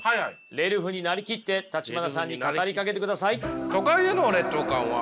レルフに成りきって橘さんに語りかけてください。